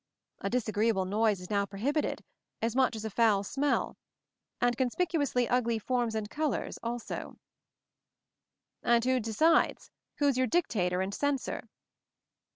A disagreeable noise is now prohibited, as much as a foul smell ; and conspicuously ugly forms and col ors, also. 162 MOVING THE MOUNTAIN "And who decides — who's your dictator and censor?"